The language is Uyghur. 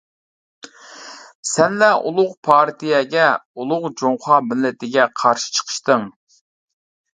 سەنلەر ئۇلۇغ پارتىيەگە، ئۇلۇغ جۇڭخۇا مىللىتىگە قارشى چىقىشتىڭ.